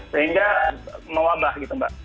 sehingga mewabah gitu mbak